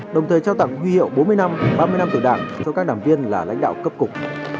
đồng thời trao tặng huy hiệu bốn mươi năm ba mươi năm tuổi đảng cho các đảng viên là lãnh đạo cấp cục